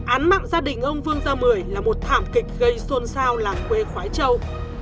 án mạng gia đình ông vương gia mười là một thảm kịch gây xôn xao làng quê khói châu